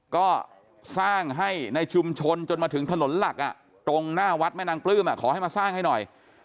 ก็สร้างให้ในชุมชนจนมาถึงถนนหลักตรงหน้าวัดแม่นางปลื้มขอให้มาสร้างให้หน่อย